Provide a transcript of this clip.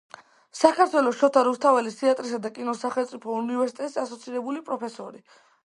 საქართველოს შოთა რუსთაველის თეატრისა და კინოს სახელმწიფო უნივერსიტეტის ასოცირებული პროფესორი.